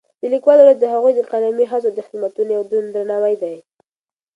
د لیکوالو ورځ د هغوی د قلمي هڅو او خدمتونو یو دروند درناوی دی.